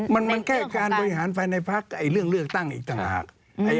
มันแค่การบริหารภายในพักเรื่องเลือกตั้งอีกต่างหาก